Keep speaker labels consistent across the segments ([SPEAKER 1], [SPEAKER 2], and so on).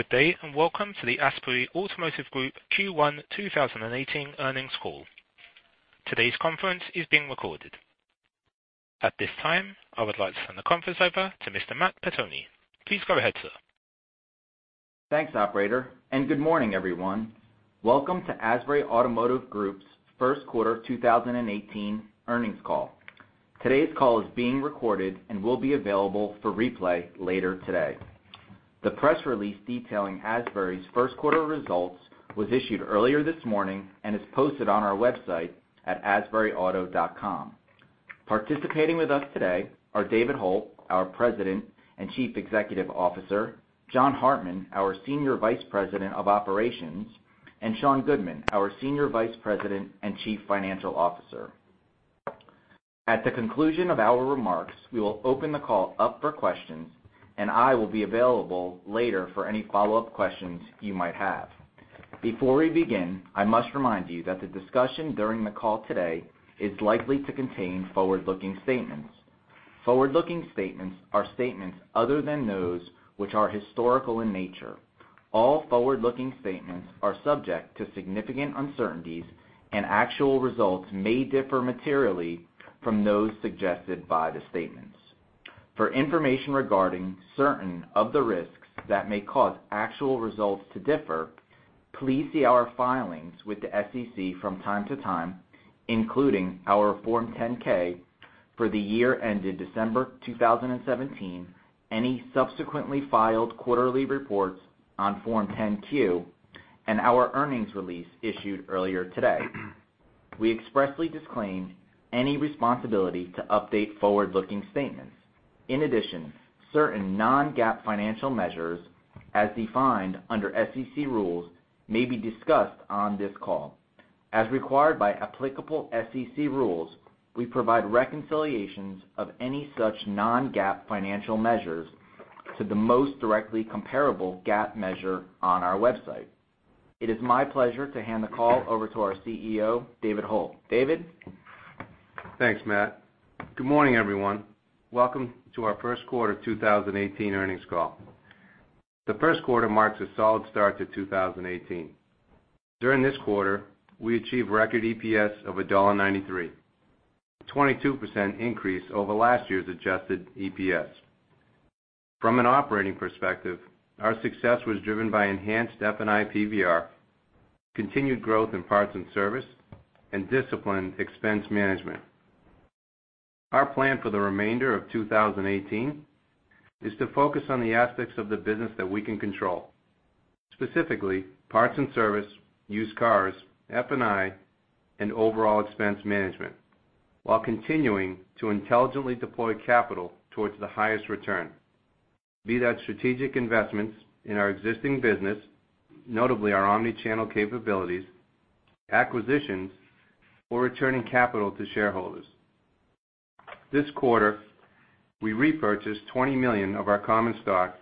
[SPEAKER 1] Good day, welcome to the Asbury Automotive Group Q1 2018 earnings call. Today's conference is being recorded. At this time, I would like to turn the conference over to Mr. Matt Pettoni. Please go ahead, sir.
[SPEAKER 2] Thanks, operator, good morning, everyone. Welcome to Asbury Automotive Group's first quarter 2018 earnings call. Today's call is being recorded and will be available for replay later today. The press release detailing Asbury's first quarter results was issued earlier this morning and is posted on our website at asburyauto.com. Participating with us today are David Hult, our President and Chief Executive Officer, John Hartman, our Senior Vice President of Operations, and Sean Goodman, our Senior Vice President and Chief Financial Officer. At the conclusion of our remarks, we will open the call up for questions. I will be available later for any follow-up questions you might have. Before we begin, I must remind you that the discussion during the call today is likely to contain forward-looking statements. Forward-looking statements are statements other than those which are historical in nature. All forward-looking statements are subject to significant uncertainties. Actual results may differ materially from those suggested by the statements. For information regarding certain of the risks that may cause actual results to differ, please see our filings with the SEC from time to time, including our Form 10-K for the year ended December 2017, any subsequently filed quarterly reports on Form 10-Q, and our earnings release issued earlier today. We expressly disclaim any responsibility to update forward-looking statements. In addition, certain non-GAAP financial measures, as defined under SEC rules, may be discussed on this call. As required by applicable SEC rules, we provide reconciliations of any such non-GAAP financial measures to the most directly comparable GAAP measure on our website. It is my pleasure to hand the call over to our CEO, David Hult. David?
[SPEAKER 3] Thanks, Matt. Good morning, everyone. Welcome to our first quarter 2018 earnings call. The first quarter marks a solid start to 2018. During this quarter, we achieved record EPS of $1.93, a 22% increase over last year's adjusted EPS. From an operating perspective, our success was driven by enhanced F&I PVR, continued growth in parts and service, disciplined expense management. Our plan for the remainder of 2018 is to focus on the aspects of the business that we can control, specifically parts and service, used cars, F&I, overall expense management while continuing to intelligently deploy capital towards the highest return, be that strategic investments in our existing business, notably our omni-channel capabilities, acquisitions, or returning capital to shareholders. This quarter, we repurchased $20 million of our common stock.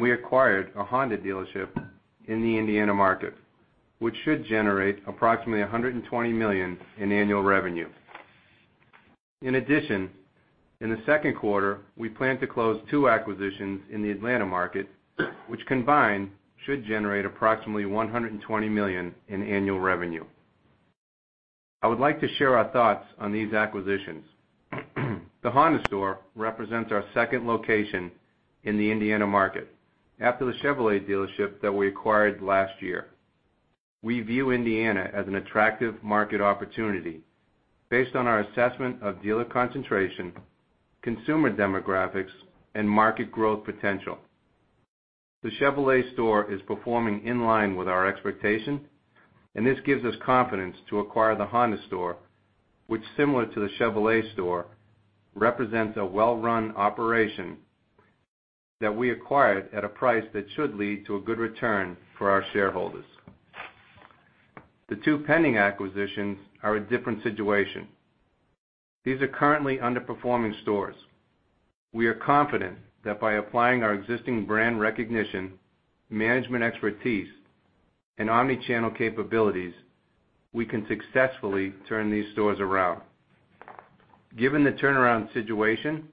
[SPEAKER 3] We acquired a Honda dealership in the Indiana market, which should generate approximately $120 million in annual revenue. In addition, in the second quarter, we plan to close two acquisitions in the Atlanta market, which combined should generate approximately $120 million in annual revenue. I would like to share our thoughts on these acquisitions. The Honda store represents our second location in the Indiana market after the Chevrolet dealership that we acquired last year. We view Indiana as an attractive market opportunity based on our assessment of dealer concentration, consumer demographics, and market growth potential. The Chevrolet store is performing in line with our expectation, and this gives us confidence to acquire the Honda store, which similar to the Chevrolet store, represents a well-run operation that we acquired at a price that should lead to a good return for our shareholders. The two pending acquisitions are a different situation. These are currently underperforming stores. We are confident that by applying our existing brand recognition, management expertise, and omni-channel capabilities, we can successfully turn these stores around. Given the turnaround situation,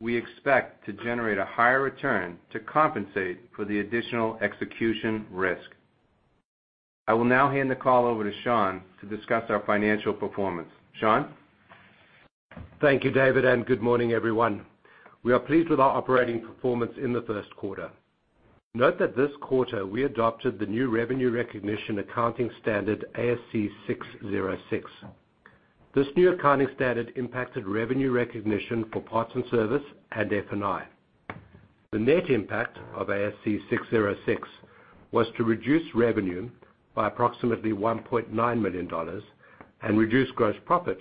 [SPEAKER 3] we expect to generate a higher return to compensate for the additional execution risk. I will now hand the call over to Sean to discuss our financial performance. Sean?
[SPEAKER 4] Thank you, David, and good morning, everyone. We are pleased with our operating performance in the first quarter. Note that this quarter we adopted the new revenue recognition accounting standard, ASC 606. This new accounting standard impacted revenue recognition for parts and service and F&I. The net impact of ASC 606 was to reduce revenue by approximately $1.9 million and reduce gross profit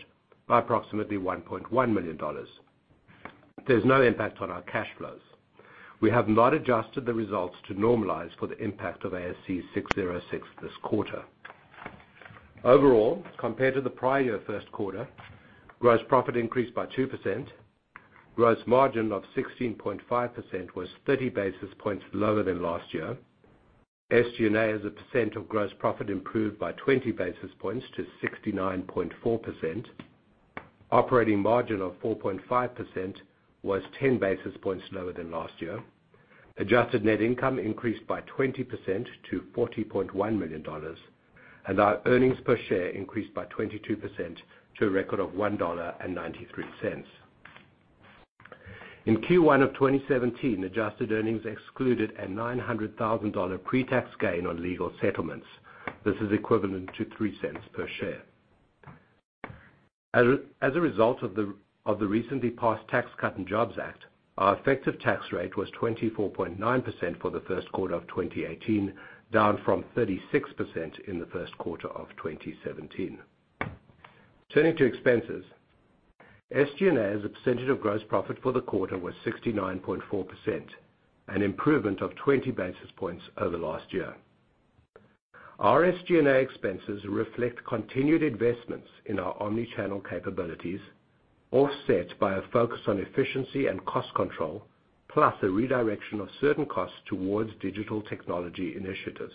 [SPEAKER 4] by approximately $1.1 million. There's no impact on our cash flows. We have not adjusted the results to normalize for the impact of ASC 606 this quarter. Overall, compared to the prior year first quarter, gross profit increased by 2%. Gross margin of 16.5% was 30 basis points lower than last year. SG&A as a percent of gross profit improved by 20 basis points to 69.4%. Operating margin of 4.5% was 10 basis points lower than last year. Adjusted net income increased by 20% to $40.1 million, our earnings per share increased by 22% to a record of $1.93. In Q1 of 2017, adjusted earnings excluded a $900,000 pre-tax gain on legal settlements. This is equivalent to $0.03 per share. As a result of the recently passed Tax Cuts and Jobs Act, our effective tax rate was 24.9% for the first quarter of 2018, down from 36% in the first quarter of 2017. Turning to expenses, SG&A as a percentage of gross profit for the quarter was 69.4%, an improvement of 20 basis points over last year. Our SG&A expenses reflect continued investments in our omni-channel capabilities, offset by a focus on efficiency and cost control, plus a redirection of certain costs towards digital technology initiatives.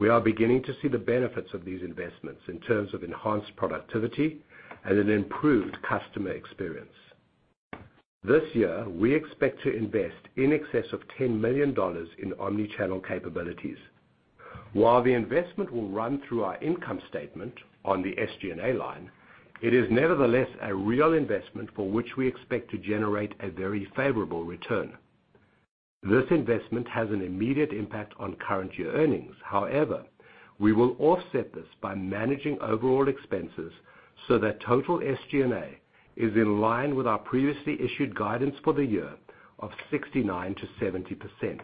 [SPEAKER 4] We are beginning to see the benefits of these investments in terms of enhanced productivity and an improved customer experience. This year, we expect to invest in excess of $10 million in omni-channel capabilities. While the investment will run through our income statement on the SG&A line, it is nevertheless a real investment for which we expect to generate a very favorable return. This investment has an immediate impact on current year earnings. However, we will offset this by managing overall expenses so that total SG&A is in line with our previously issued guidance for the year of 69%-70%.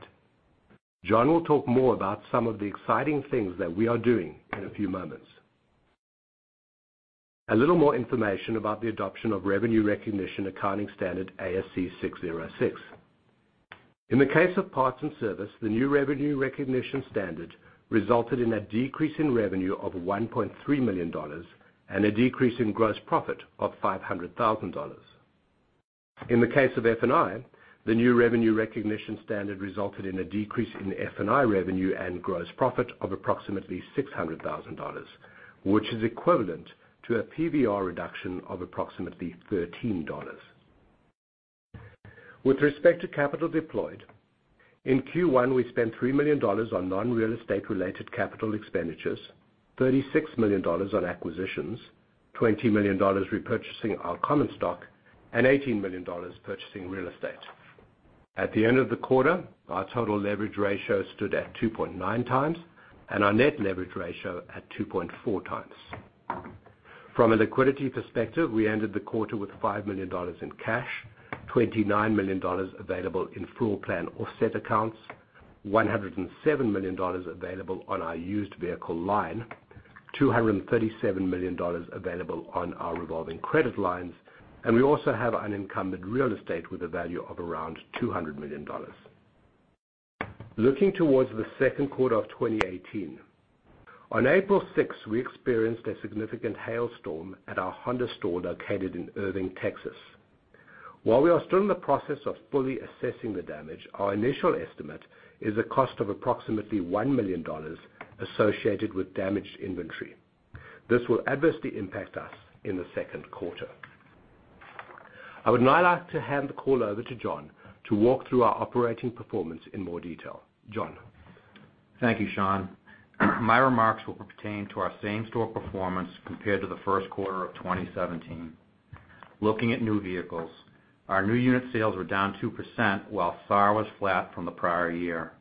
[SPEAKER 4] John will talk more about some of the exciting things that we are doing in a few moments. A little more information about the adoption of revenue recognition accounting standard ASC 606. In the case of parts and service, the new revenue recognition standard resulted in a decrease in revenue of $1.3 million, and a decrease in gross profit of $500,000. In the case of F&I, the new revenue recognition standard resulted in a decrease in F&I revenue and gross profit of approximately $600,000, which is equivalent to a PVR reduction of approximately $13. With respect to capital deployed, in Q1 we spent $3 million on non-real estate related capital expenditures, $36 million on acquisitions, $20 million repurchasing our common stock, and $18 million purchasing real estate. At the end of the quarter, our total leverage ratio stood at 2.9 times, and our net leverage ratio at 2.4 times. From a liquidity perspective, we ended the quarter with $5 million in cash, $29 million available in floor plan offset accounts, $107 million available on our used vehicle line, $237 million available on our revolving credit lines, and we also have unencumbered real estate with a value of around $200 million. Looking towards the second quarter of 2018. On April 6th, we experienced a significant hailstorm at our Honda store located in Irving, Texas. While we are still in the process of fully assessing the damage, our initial estimate is a cost of approximately $1 million associated with damaged inventory. This will adversely impact us in the second quarter. I would now like to hand the call over to John to walk through our operating performance in more detail. John?
[SPEAKER 5] Thank you, Sean. My remarks will pertain to our same-store performance compared to the first quarter of 2017. Looking at new vehicles, our new unit sales were down 2%, while SAR was flat from the prior year.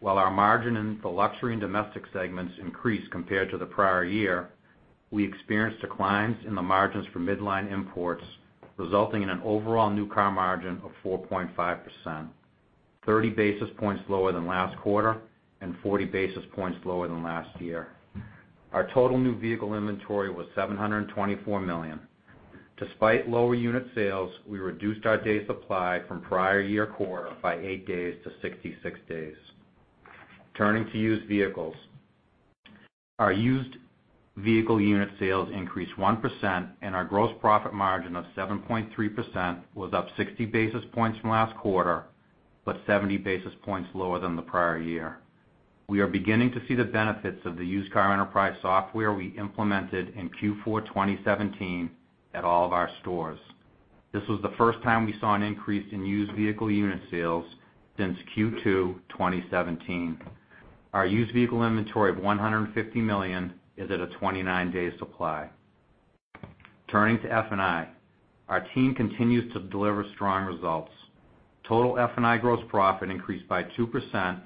[SPEAKER 5] While our margin in the luxury and domestic segments increased compared to the prior year, we experienced declines in the margins for midline imports, resulting in an overall new car margin of 4.5%, 30 basis points lower than last quarter, and 40 basis points lower than last year. Our total new vehicle inventory was $724 million. Despite lower unit sales, we reduced our day supply from prior year quarter by eight days to 66 days. Turning to used vehicles. Our used vehicle unit sales increased 1%, and our gross profit margin of 7.3% was up 60 basis points from last quarter, but 70 basis points lower than the prior year. We are beginning to see the benefits of the used car enterprise software we implemented in Q4 2017 at all of our stores. This was the first time we saw an increase in used vehicle unit sales since Q2 2017. Our used vehicle inventory of $150 million is at a 29-day supply. Turning to F&I. Our team continues to deliver strong results. Total F&I gross profit increased by 2%,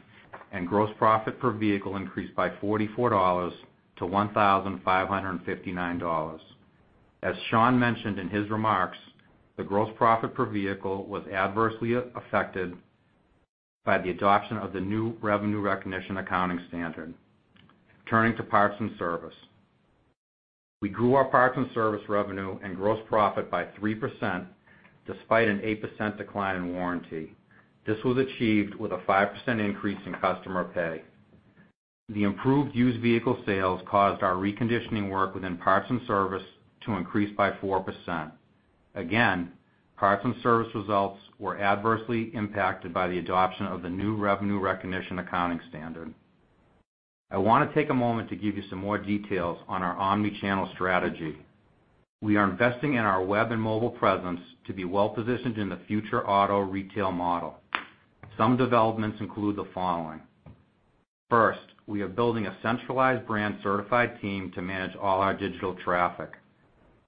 [SPEAKER 5] and gross profit per vehicle increased by $44 to $1,559. As Sean mentioned in his remarks, the gross profit per vehicle was adversely affected by the adoption of the new revenue recognition accounting standard. Turning to Parts & Service. We grew our Parts & Service revenue and gross profit by 3%, despite an 8% decline in warranty. This was achieved with a 5% increase in customer pay. The improved used vehicle sales caused our reconditioning work within Parts & Service to increase by 4%. Again, Parts & Service results were adversely impacted by the adoption of the new revenue recognition accounting standard. I want to take a moment to give you some more details on our omni-channel strategy. We are investing in our web and mobile presence to be well-positioned in the future auto retail model. Some developments include the following. First, we are building a centralized brand-certified team to manage all our digital traffic.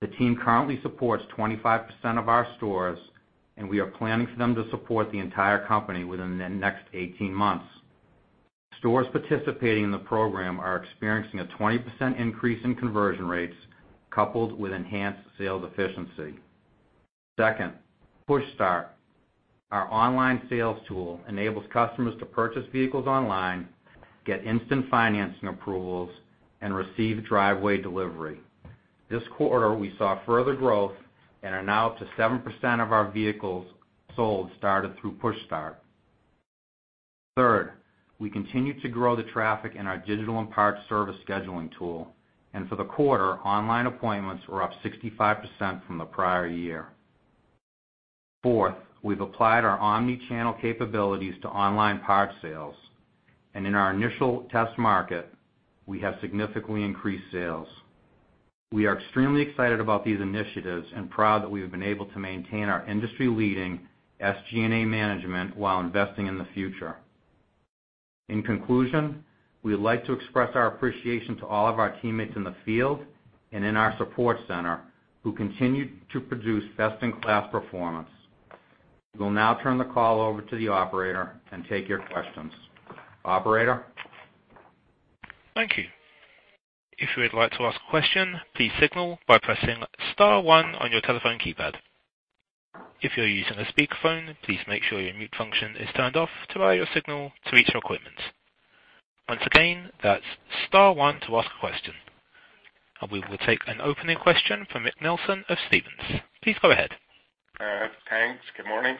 [SPEAKER 5] The team currently supports 25% of our stores, and we are planning for them to support the entire company within the next 18 months. Stores participating in the program are experiencing a 20% increase in conversion rates, coupled with enhanced sales efficiency. Second, Push Start, our online sales tool, enables customers to purchase vehicles online, get instant financing approvals, and receive driveway delivery. This quarter, we saw further growth and are now up to 7% of our vehicles sold started through Push Start. Third, we continue to grow the traffic in our digital and Parts & Service scheduling tool. For the quarter, online appointments were up 65% from the prior year. Fourth, we've applied our omni-channel capabilities to online parts sales. In our initial test market, we have significantly increased sales. We are extremely excited about these initiatives and proud that we have been able to maintain our industry-leading SG&A management while investing in the future. In conclusion, we'd like to express our appreciation to all of our teammates in the field and in our support center who continue to produce best-in-class performance. We will now turn the call over to the operator and take your questions. Operator?
[SPEAKER 1] Thank you. If you would like to ask a question, please signal by pressing star one on your telephone keypad. If you're using a speakerphone, please make sure your mute function is turned off to allow your signal to reach our equipment. Once again, that's star one to ask a question. We will take an opening question from Rick Nelson of Stephens. Please go ahead.
[SPEAKER 6] Thanks. Good morning.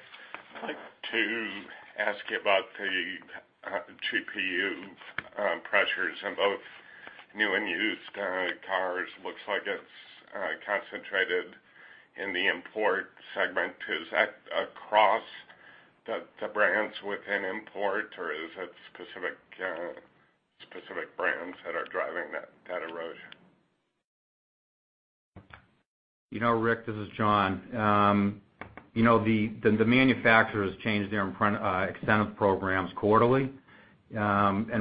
[SPEAKER 6] I'd like to ask you about the GPU pressures on both new and used cars. Looks like it's concentrated in the import segment. Is that across the brands within import, or is it specific brands that are driving that erosion?
[SPEAKER 5] Rick, this is John. The manufacturers change their incentive programs quarterly. Specifically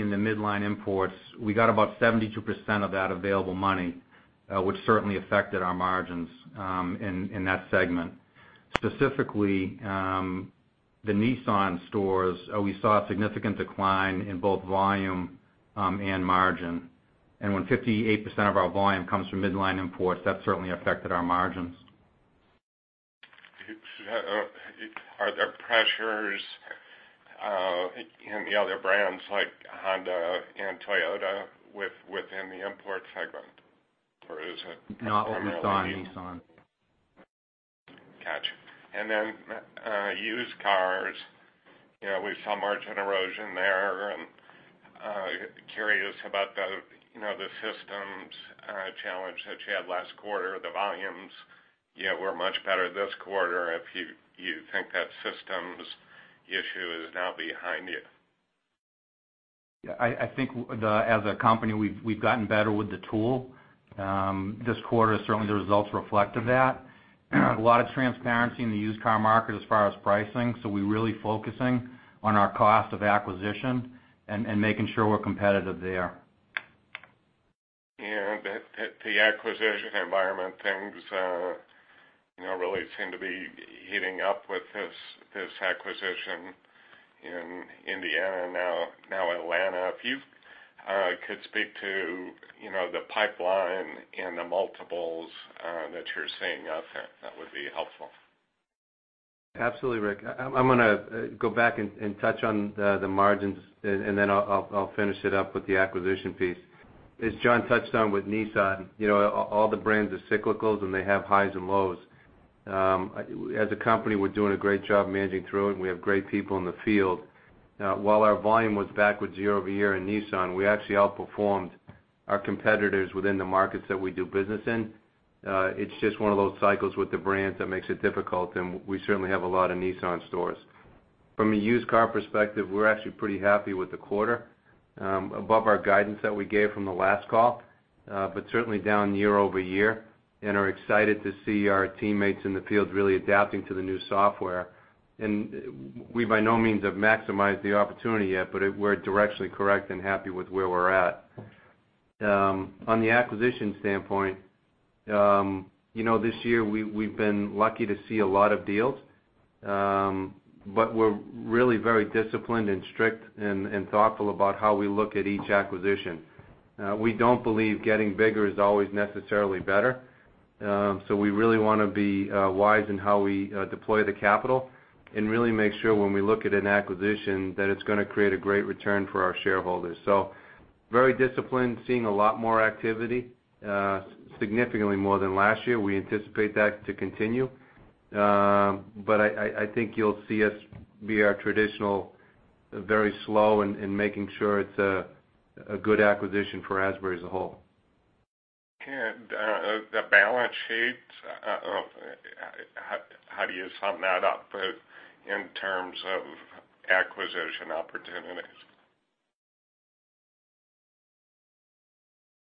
[SPEAKER 5] in the midline imports, we got about 72% of that available money, which certainly affected our margins in that segment. Specifically, the Nissan stores, we saw a significant decline in both volume and margin. When 58% of our volume comes from midline imports, that certainly affected our margins.
[SPEAKER 6] Are there pressures in the other brands like Honda and Toyota within the import segment, or is it primarily Nissan?
[SPEAKER 5] No, with Nissan.
[SPEAKER 6] Then used cars, we saw margin erosion there and curious about the systems challenge that you had last quarter. The volumes were much better this quarter. If you think that systems issue is now behind you.
[SPEAKER 5] Yeah. I think as a company, we've gotten better with the tool. This quarter, certainly the results reflected that. A lot of transparency in the used car market as far as pricing, so we're really focusing on our cost of acquisition and making sure we're competitive there.
[SPEAKER 6] Yeah. The acquisition environment things really seem to be heating up with this acquisition in Indiana, now Atlanta. If you could speak to the pipeline and the multiples that you're seeing out there, that would be helpful.
[SPEAKER 3] Absolutely, Rick. I'm going to go back and touch on the margins, then I'll finish it up with the acquisition piece. As John touched on with Nissan, all the brands are cyclicals and they have highs and lows. As a company, we're doing a great job managing through it and we have great people in the field. While our volume was back with year-over-year in Nissan, we actually outperformed our competitors within the markets that we do business in. It's just one of those cycles with the brands that makes it difficult and we certainly have a lot of Nissan stores. From a used car perspective, we're actually pretty happy with the quarter. Above our guidance that we gave from the last call, but certainly down year-over-year and are excited to see our teammates in the field really adapting to the new software. We by no means have maximized the opportunity yet, but we're directionally correct and happy with where we're at. On the acquisition standpoint, this year we've been lucky to see a lot of deals. We're really very disciplined and strict and thoughtful about how we look at each acquisition. We don't believe getting bigger is always necessarily better. We really want to be wise in how we deploy the capital and really make sure when we look at an acquisition that it's going to create a great return for our shareholders. Very disciplined, seeing a lot more activity, significantly more than last year. We anticipate that to continue. I think you'll see us be our traditional very slow in making sure it's a good acquisition for Asbury as a whole.
[SPEAKER 6] The balance sheets, how do you sum that up in terms of acquisition opportunities?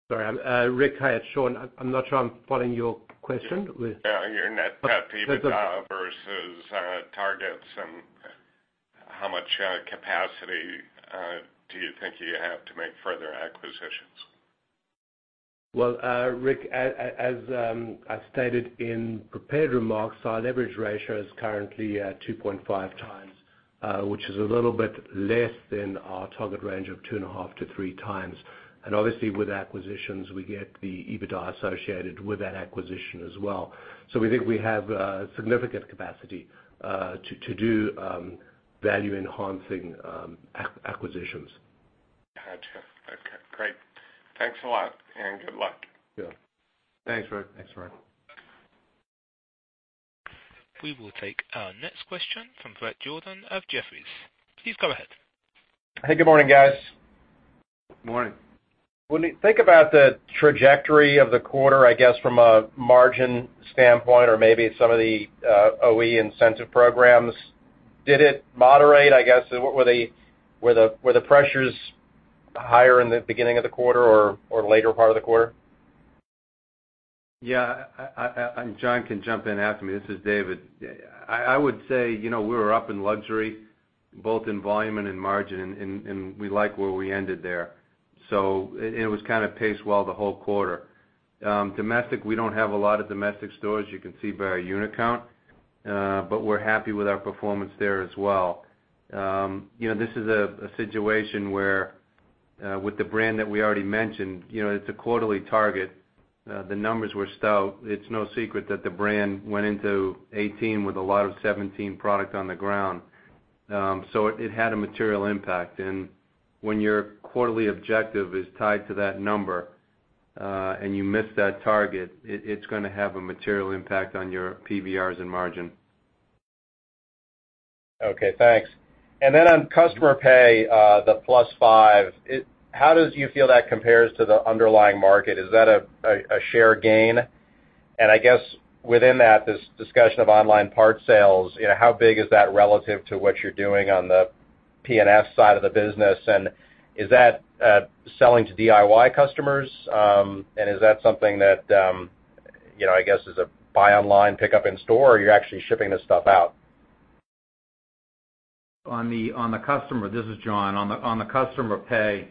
[SPEAKER 4] Sorry, Rick. Hi, it's Sean. I'm not sure I'm following your question.
[SPEAKER 6] Yeah, your net debt EBITDA versus targets, how much capacity do you think you have to make further acquisitions?
[SPEAKER 4] Well, Rick, as I stated in prepared remarks, our leverage ratio is currently at 2.5x, which is a little bit less than our target range of 2.5 to 3 times. Obviously, with acquisitions, we get the EBITDA associated with that acquisition as well. We think we have significant capacity to do value-enhancing acquisitions.
[SPEAKER 6] Gotcha. Okay, great. Thanks a lot, and good luck.
[SPEAKER 4] Yeah.
[SPEAKER 3] Thanks, Rick.
[SPEAKER 4] Thanks, Rick.
[SPEAKER 1] We will take our next question from Bret Jordan of Jefferies. Please go ahead.
[SPEAKER 7] Hey, good morning, guys.
[SPEAKER 3] Morning.
[SPEAKER 7] When we think about the trajectory of the quarter, I guess, from a margin standpoint or maybe some of the OE incentive programs, did it moderate, I guess? Were the pressures higher in the beginning of the quarter or later part of the quarter?
[SPEAKER 3] John can jump in after me. This is David. I would say, we were up in luxury, both in volume and in margin, and we like where we ended there. It was kind of paced well the whole quarter. Domestic, we don't have a lot of domestic stores, you can see by our unit count, but we're happy with our performance there as well. This is a situation where, with the brand that we already mentioned, it's a quarterly target. The numbers were stout. It's no secret that the brand went into 2018 with a lot of 2017 product on the ground. It had a material impact. When your quarterly objective is tied to that number, and you miss that target, it's going to have a material impact on your PVRs and margin.
[SPEAKER 7] Okay, thanks. On customer pay, the +5%, how do you feel that compares to the underlying market? Is that a share gain? I guess within that, this discussion of online part sales, how big is that relative to what you're doing on the P&S side of the business, and is that selling to DIY customers? Is that something that, I guess is a buy online, pick up in store, or you're actually shipping this stuff out?
[SPEAKER 5] On the customer, this is John. On the customer pay,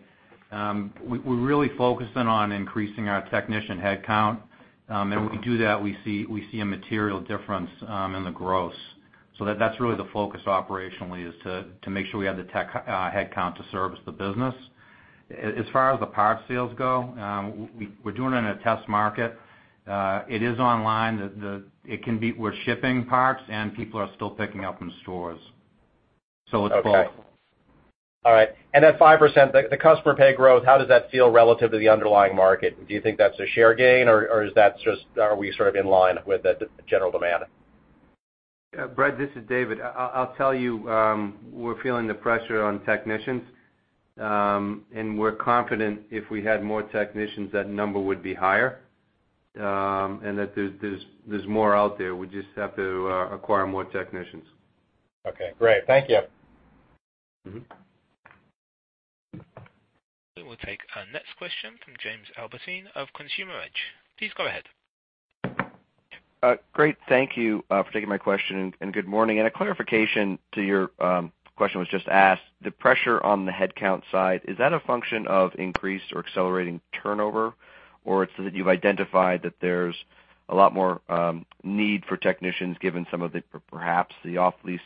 [SPEAKER 5] we're really focusing on increasing our technician headcount. When we do that, we see a material difference in the gross. That's really the focus operationally, is to make sure we have the tech headcount to service the business. As far as the parts sales go, we're doing it in a test market. It is online. We're shipping parts, and people are still picking up in stores. It's both.
[SPEAKER 7] Okay. All right. That 5%, the customer pay growth, how does that feel relative to the underlying market? Do you think that's a share gain, or are we sort of in line with the general demand?
[SPEAKER 3] Bret, this is David. I'll tell you, we're feeling the pressure on technicians. We're confident if we had more technicians, that number would be higher, and that there's more out there. We just have to acquire more technicians.
[SPEAKER 7] Okay, great. Thank you.
[SPEAKER 1] We will take our next question from James Albertine of Consumer Edge. Please go ahead.
[SPEAKER 8] Great. Thank you for taking my question, and good morning. A clarification to your question was just asked, the pressure on the headcount side, is that a function of increased or accelerating turnover? Or it's that you've identified that there's a lot more need for technicians given some of the, perhaps, the off-lease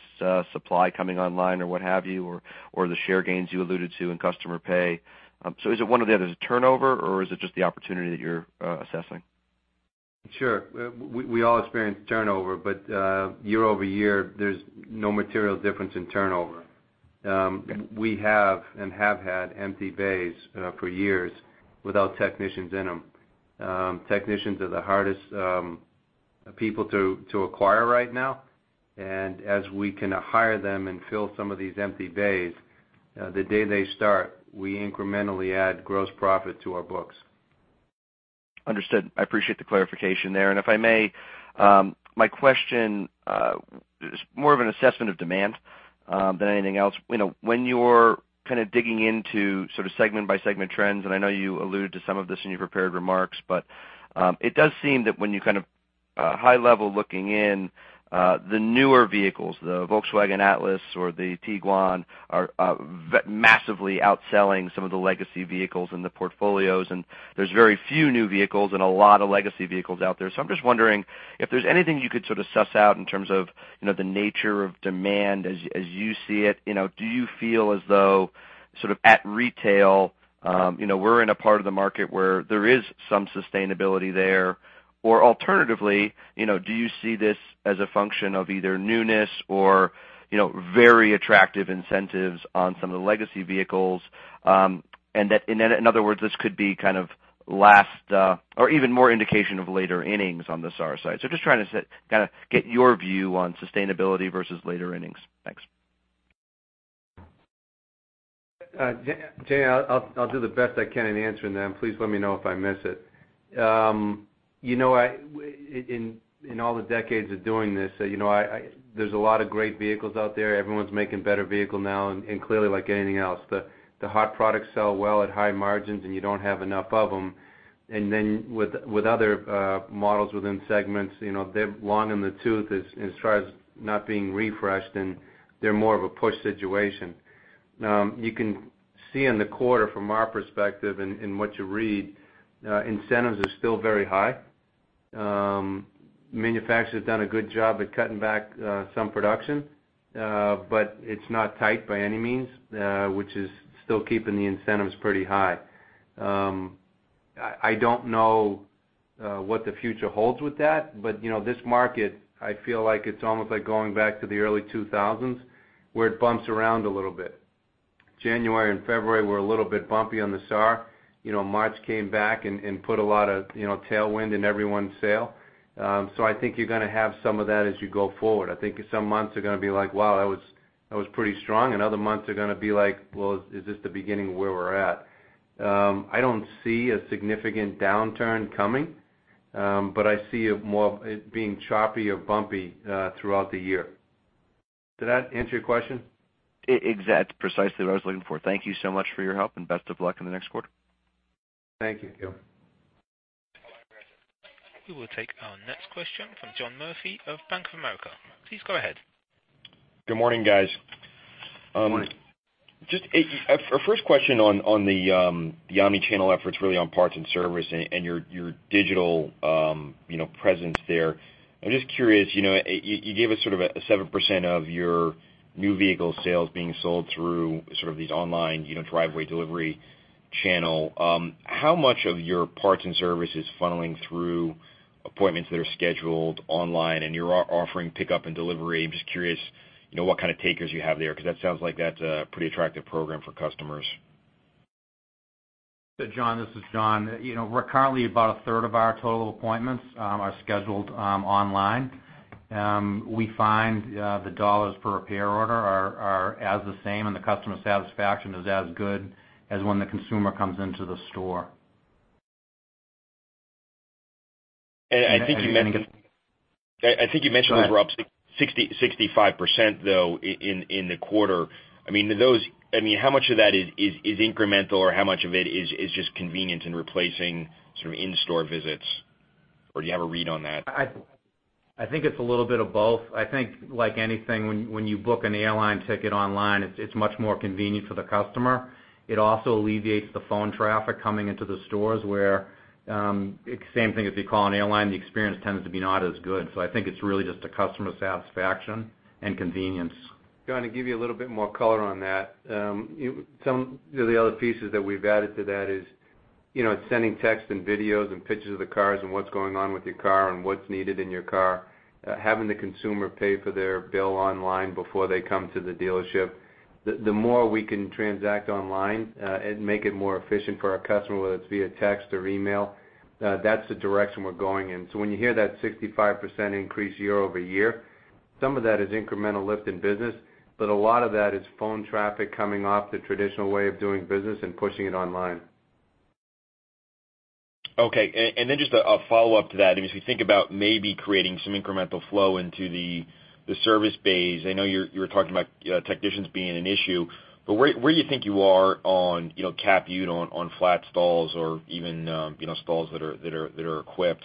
[SPEAKER 8] supply coming online or what have you, or the share gains you alluded to in customer pay? Is it one or the other? Is it turnover, or is it just the opportunity that you're assessing?
[SPEAKER 3] Sure. We have had empty bays for years without technicians in them. Technicians are the hardest people to acquire right now. As we can hire them and fill some of these empty bays, the day they start, we incrementally add gross profit to our books.
[SPEAKER 8] Understood. I appreciate the clarification there. If I may, my question is more of an assessment of demand than anything else. When you're kind of digging into segment-by-segment trends, I know you alluded to some of this in your prepared remarks, it does seem that when you kind of high level looking in, the newer vehicles, the Volkswagen Atlas or the Tiguan, are massively outselling some of the legacy vehicles in the portfolios, there's very few new vehicles and a lot of legacy vehicles out there. I'm just wondering if there's anything you could sort of suss out in terms of the nature of demand as you see it. Do you feel as though sort of at retail, we're in a part of the market where there is some sustainability there? Alternatively, do you see this as a function of either newness or very attractive incentives on some of the legacy vehicles? In other words, this could be kind of last or even more indication of later innings on the SARs side. Just trying to kind of get your view on sustainability versus later innings. Thanks.
[SPEAKER 3] Jay, I'll do the best I can in answering that, please let me know if I miss it. In all the decades of doing this, there's a lot of great vehicles out there. Everyone's making better vehicle now, clearly, like anything else, the hot products sell well at high margins, you don't have enough of them. With other models within segments, they're long in the tooth as far as not being refreshed, they're more of a push situation. You can see in the quarter from our perspective in what you read, incentives are still very high. Manufacturers have done a good job at cutting back some production. It's not tight by any means, which is still keeping the incentives pretty high. I don't know what the future holds with that. This market, I feel like it's almost like going back to the early 2000s, where it bumps around a little bit. January and February were a little bit bumpy on the SAR. March came back and put a lot of tailwind in everyone's sail. I think you're going to have some of that as you go forward. I think some months are going to be like, wow, that was pretty strong, and other months are going to be like, well, is this the beginning of where we're at? I don't see a significant downturn coming, but I see it more being choppy or bumpy throughout the year. Did that answer your question?
[SPEAKER 8] Exactly. That's precisely what I was looking for. Thank you so much for your help, and best of luck in the next quarter.
[SPEAKER 3] Thank you, [Gil].
[SPEAKER 1] We will take our next question from John Murphy of Bank of America. Please go ahead.
[SPEAKER 9] Good morning, guys.
[SPEAKER 3] Good morning.
[SPEAKER 9] Just a first question on the omnichannel efforts really on parts and service and your digital presence there. I'm just curious, you gave us sort of a 7% of your new vehicle sales being sold through sort of these online, driveway delivery channel. How much of your parts and service is funneling through appointments that are scheduled online, and you're offering pickup and delivery? I'm just curious, what kind of takers you have there, because that sounds like that's a pretty attractive program for customers?
[SPEAKER 5] John, this is John. Currently, about a third of our total appointments are scheduled online. We find the dollars per repair order are as the same, and the customer satisfaction is as good as when the consumer comes into the store.
[SPEAKER 9] I think you mentioned that you were up 65%, though, in the quarter. How much of that is incremental or how much of it is just convenient and replacing sort of in-store visits? Do you have a read on that?
[SPEAKER 5] I think it's a little bit of both. I think like anything, when you book an airline ticket online, it's much more convenient for the customer. It also alleviates the phone traffic coming into the stores, where, same thing as you call an airline, the experience tends to be not as good. I think it's really just customer satisfaction and convenience.
[SPEAKER 3] John, to give you a little bit more color on that. Some of the other pieces that we've added to that is sending texts and videos and pictures of the cars and what's going on with your car and what's needed in your car, having the consumer pay for their bill online before they come to the dealership. The more we can transact online, and make it more efficient for our customer, whether it's via text or email, that's the direction we're going in. When you hear that 65% increase year-over-year, some of that is incremental lift in business, a lot of that is phone traffic coming off the traditional way of doing business and pushing it online.
[SPEAKER 9] Okay. Then just a follow-up to that, as we think about maybe creating some incremental flow into the service bays. I know you were talking about technicians being an issue, where do you think you are on [capped] on flat stalls or even stalls that are equipped?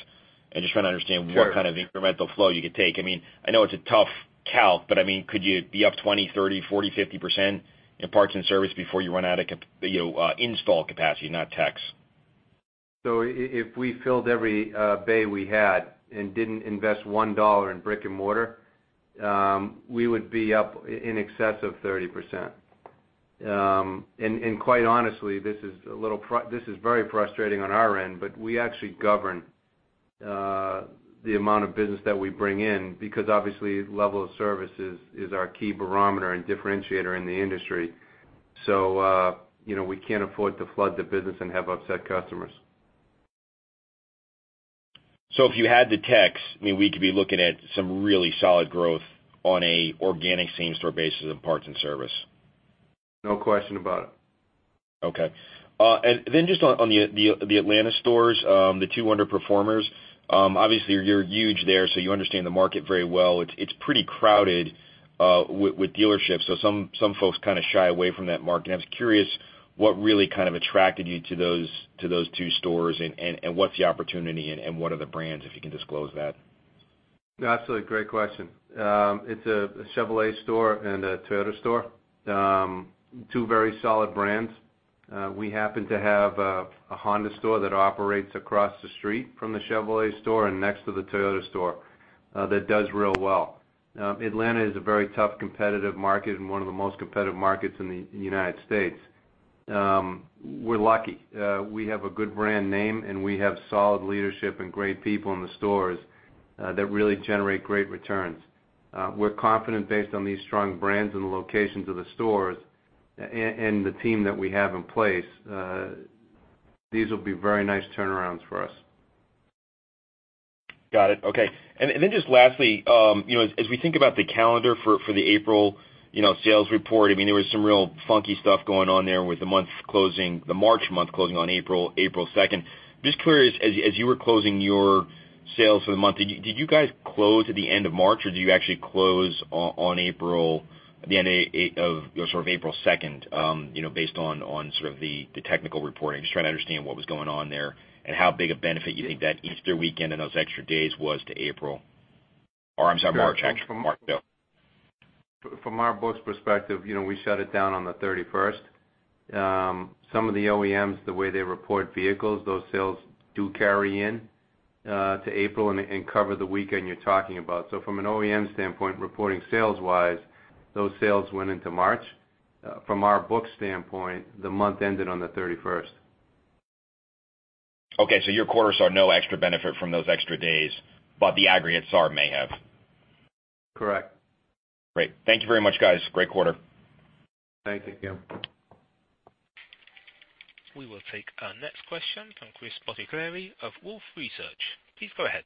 [SPEAKER 9] I'm just trying to understand what kind of incremental flow you could take. I know it's a tough calc, could you be up 20%, 30%, 40%, 50% in parts and service before you run out of install capacity, not techs?
[SPEAKER 3] If we filled every bay we had and didn't invest $1 in brick and mortar, we would be up in excess of 30%. Quite honestly, this is very frustrating on our end, but we actually govern the amount of business that we bring in because obviously level of service is our key barometer and differentiator in the industry. We can't afford to flood the business and have upset customers.
[SPEAKER 9] If you had the techs, we could be looking at some really solid growth on an organic same-store basis of parts and service.
[SPEAKER 3] No question about it.
[SPEAKER 9] Okay. Then just on the Atlanta stores, the two underperformers. Obviously, you're huge there, so you understand the market very well. It's pretty crowded with dealerships. Some folks kind of shy away from that market. I was curious what really kind of attracted you to those two stores and what's the opportunity and what are the brands, if you can disclose that?
[SPEAKER 3] Absolutely. Great question. It's a Chevrolet store and a Toyota store. Two very solid brands. We happen to have a Honda store that operates across the street from the Chevrolet store and next to the Toyota store that does real well. Atlanta is a very tough competitive market and one of the most competitive markets in the U.S. We're lucky. We have a good brand name, and we have solid leadership and great people in the stores that really generate great returns. We're confident based on these strong brands and the locations of the stores and the team that we have in place. These will be very nice turnarounds for us.
[SPEAKER 9] Got it. Okay. Lastly, as we think about the calendar for the April sales report, there was some real funky stuff going on there with the March month closing on April 2nd. Curious, as you were closing your sales for the month, did you guys close at the end of March or do you actually close on April sort of April 2nd, based on sort of the technical reporting? Just trying to understand what was going on there and how big a benefit you think that Easter weekend and those extra days was to April. Or I'm sorry, March, actually. March. Go.
[SPEAKER 3] From our books perspective, we shut it down on the 31st. Some of the OEMs, the way they report vehicles, those sales do carry in to April and cover the weekend you're talking about. From an OEM standpoint, reporting sales wise, those sales went into March. From our books standpoint, the month ended on the 31st.
[SPEAKER 9] Your quarters saw no extra benefit from those extra days, but the aggregates SAR may have.
[SPEAKER 3] Correct.
[SPEAKER 9] Great. Thank you very much, guys. Great quarter.
[SPEAKER 3] Thank you.
[SPEAKER 1] We will take our next question from Chris Bottiglieri of Wolfe Research. Please go ahead.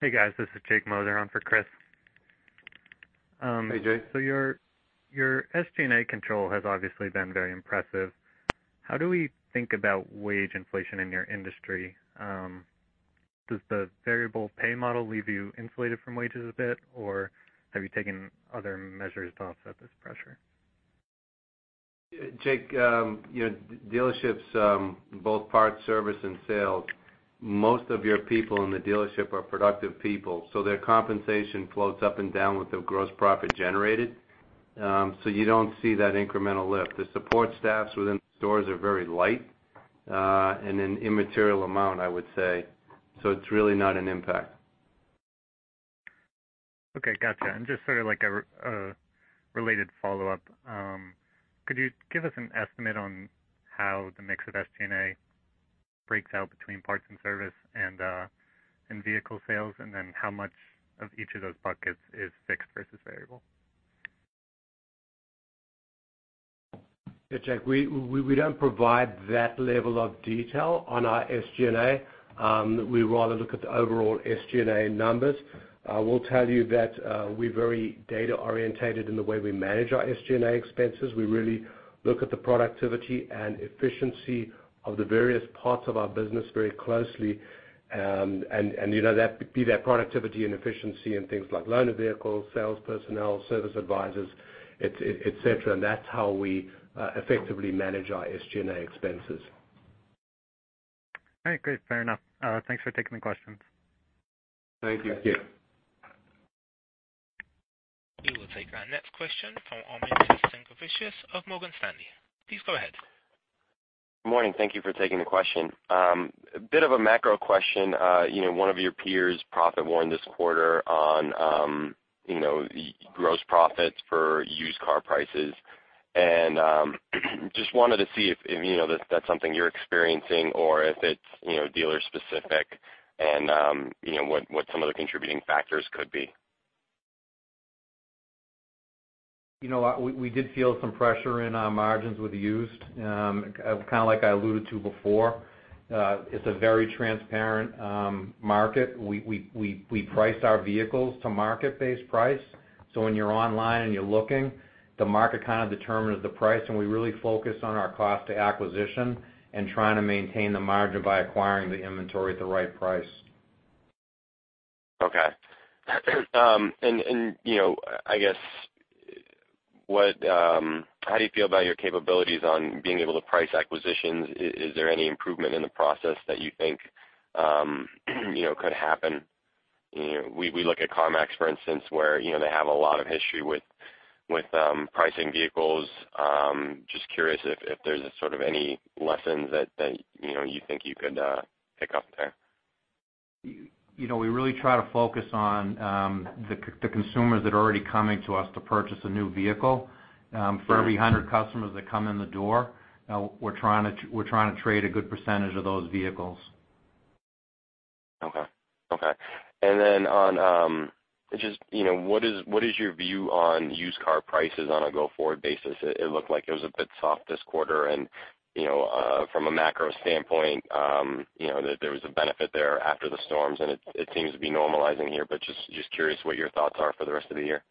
[SPEAKER 10] Hey, guys. This is Jake Moser on for Chris.
[SPEAKER 3] Hey, Jake.
[SPEAKER 10] Your SG&A control has obviously been very impressive. How do we think about wage inflation in your industry? Does the variable pay model leave you inflated from wages a bit, or have you taken other measures to offset this pressure?
[SPEAKER 3] Jake, dealerships both parts, service, and sales, most of your people in the dealership are productive people, their compensation floats up and down with the gross profit generated. You don't see that incremental lift. The support staffs within the stores are very light, and an immaterial amount, I would say. It's really not an impact.
[SPEAKER 10] Okay, got you. Just sort of like a related follow-up. Could you give us an estimate on how the mix of SG&A breaks out between parts and service and vehicle sales, and then how much of each of those buckets is fixed versus variable?
[SPEAKER 4] Yeah, Jake, we don't provide that level of detail on our SG&A. We rather look at the overall SG&A numbers. I will tell you that we're very data-orientated in the way we manage our SG&A expenses. We really look at the productivity and efficiency of the various parts of our business very closely, be that productivity and efficiency in things like loaner vehicles, sales personnel, service advisors, et cetera, and that's how we effectively manage our SG&A expenses.
[SPEAKER 10] All right, great. Fair enough. Thanks for taking the questions.
[SPEAKER 3] Thank you.
[SPEAKER 4] Thank you.
[SPEAKER 1] We will take our next question from Armin Petrankovicius of Morgan Stanley. Please go ahead.
[SPEAKER 11] Good morning. Thank you for taking the question. A bit of a macro question. One of your peers profit warned this quarter on the gross profits for used car prices. Just wanted to see if that's something you're experiencing or if it's dealer specific and what some of the contributing factors could be.
[SPEAKER 3] We did feel some pressure in our margins with used, kind of like I alluded to before. It's a very transparent market. We price our vehicles to market-based price. When you're online and you're looking, the market kind of determines the price, we really focus on our cost to acquisition and trying to maintain the margin by acquiring the inventory at the right price.
[SPEAKER 11] Okay. I guess, how do you feel about your capabilities on being able to price acquisitions? Is there any improvement in the process that you think could happen? We look at CarMax, for instance, where they have a lot of history with pricing vehicles. Just curious if there's sort of any lessons that you think you could pick up there.
[SPEAKER 3] We really try to focus on the consumers that are already coming to us to purchase a new vehicle. For every 100 customers that come in the door, we're trying to trade a good percentage of those vehicles.
[SPEAKER 11] Okay. Okay. What is your view on used car prices on a go-forward basis? It looked like it was a bit soft this quarter, and from a macro standpoint, there was a benefit there after the storms, and it seems to be normalizing here, but just curious what your thoughts are for the rest of the year.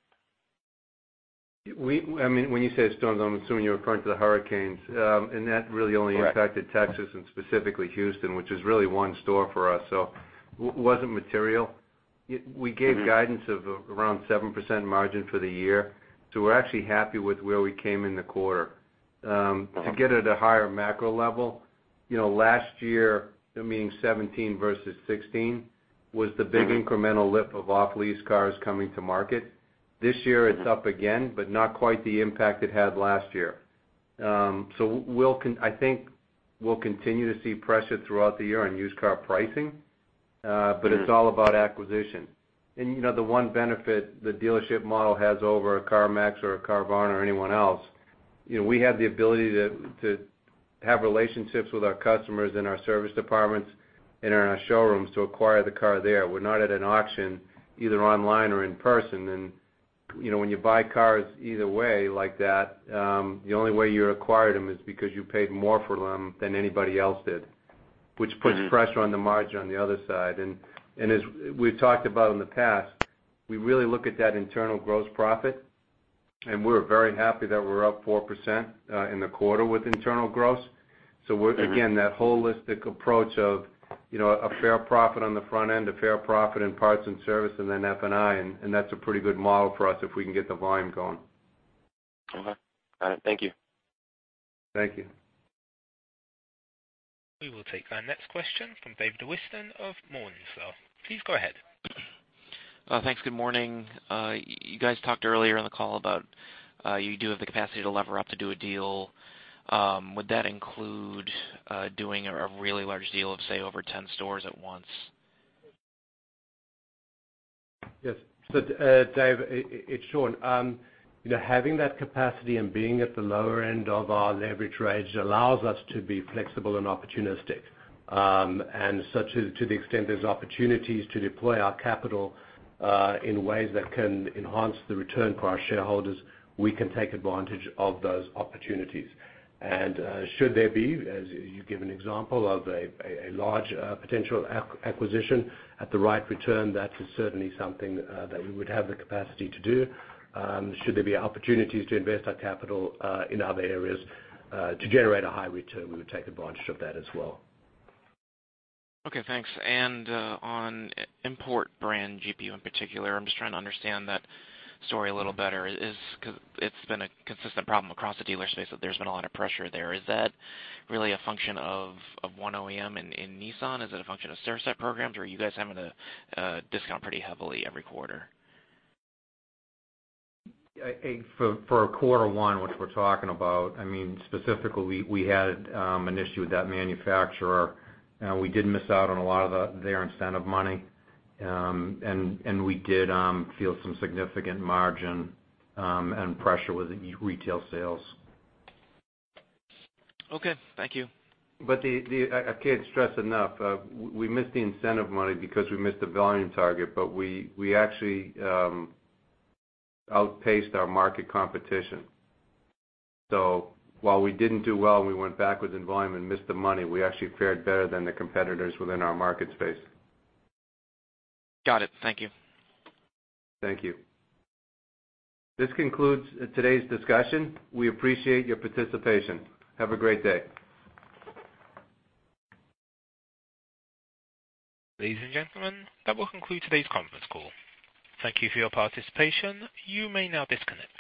[SPEAKER 3] When you say storms, I'm assuming you're referring to the hurricanes. That really only impacted Texas and specifically Houston, which is really one store for us. It wasn't material. We gave guidance of around 7% margin for the year. We're actually happy with where we came in the quarter. To get at a higher macro level, last year, meaning 2017 versus 2016, was the big incremental lift of off-lease cars coming to market. This year it's up again, but not quite the impact it had last year. I think we'll continue to see pressure throughout the year on used car pricing, but it's all about acquisition. The one benefit the dealership model has over a CarMax or a Carvana or anyone else, we have the ability to have relationships with our customers in our service departments and in our showrooms to acquire the car there. We're not at an auction, either online or in person. When you buy cars either way like that, the only way you acquired them is because you paid more for them than anybody else did, which puts pressure on the margin on the other side. As we've talked about in the past, we really look at that internal gross profit, and we're very happy that we're up 4% in the quarter with internal gross. Again, that holistic approach of a fair profit on the front end, a fair profit in parts and service, and then F&I, and that's a pretty good model for us if we can get the volume going.
[SPEAKER 11] Okay. All right. Thank you.
[SPEAKER 3] Thank you.
[SPEAKER 1] We will take our next question from Dave Whiston of Morningstar. Please go ahead.
[SPEAKER 12] Thanks. Good morning. You guys talked earlier in the call about you do have the capacity to lever up to do a deal. Would that include doing a really large deal of, say, over 10 stores at once?
[SPEAKER 4] Yes. Dave, it's Sean. Having that capacity and being at the lower end of our leverage range allows us to be flexible and opportunistic. Such as to the extent there's opportunities to deploy our capital, in ways that can enhance the return for our shareholders, we can take advantage of those opportunities. Should there be, as you give an example of a large potential acquisition at the right return, that is certainly something that we would have the capacity to do. Should there be opportunities to invest that capital in other areas to generate a high return, we would take advantage of that as well.
[SPEAKER 12] Okay, thanks. On import brand GPU in particular, I'm just trying to understand that story a little better. It's been a consistent problem across the dealer space that there's been a lot of pressure there. Is that really a function of one OEM in Nissan? Is it a function of programs, or are you guys having to discount pretty heavily every quarter?
[SPEAKER 3] For quarter one, which we're talking about, specifically we had an issue with that manufacturer. We did miss out on a lot of their incentive money. We did feel some significant margin and pressure with retail sales.
[SPEAKER 12] Okay, thank you.
[SPEAKER 3] I can't stress enough, we missed the incentive money because we missed the volume target, but we actually outpaced our market competition. While we didn't do well, and we went backwards in volume and missed the money, we actually fared better than the competitors within our market space.
[SPEAKER 12] Got it. Thank you.
[SPEAKER 3] Thank you. This concludes today's discussion. We appreciate your participation. Have a great day.
[SPEAKER 1] Ladies and gentlemen, that will conclude today's conference call. Thank you for your participation. You may now disconnect.